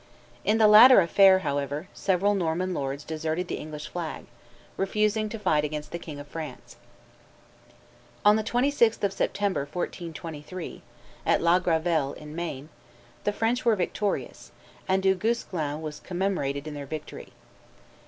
In the latter affair, however, several Norman lords deserted the English flag, refusing to fight against the King of France. On the 26th of September, 1423, at La Gravelle, in Maine, the French were victorious, and Du Guesclin was commemorated in their victory.